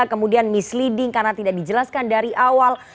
kemudian misleading karena tidak dijelaskan dari awal